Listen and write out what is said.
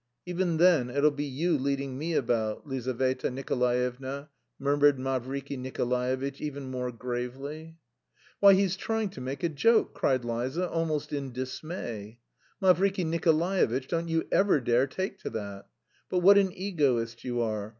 "Even then it'll be you leading me about, Lizaveta Nikolaevna," murmured Mavriky Nikolaevitch, even more gravely. "Why, he's trying to make a joke!" cried Liza, almost in dismay. "Mavriky Nikolaevitch, don't you ever dare take to that! But what an egoist you are!